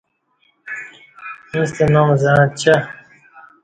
ییݩستہ نام زعݩچہ۔